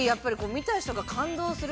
見た人が感動する。